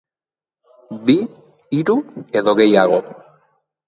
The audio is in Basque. Bi, hiru edo gehiago?